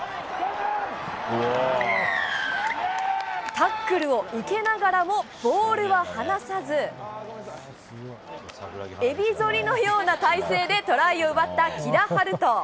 タックルを受けながらもボールは放さず、えびぞりのような体勢でトライを奪った木田晴斗。